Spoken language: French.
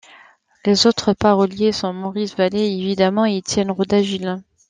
Les autres paroliers sont Maurice Vallet et évidemment Étienne Roda-Gil.